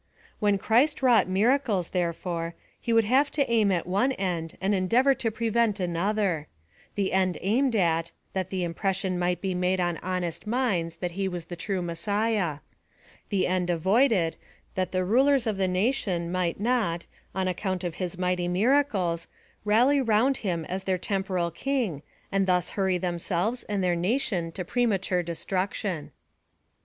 When Christ wrought miracles, therefore, lie would have to aim at one end, and endeavox' to prevent another — the end aimed at, that the im pression might be made on horest minds, that he was the true Messiah ; the end av >ided, that the rulers of the nation might not, on account of his mighty miracles, rally round him as their temporal king, and thus hurry themselves and their nation to premature destruction.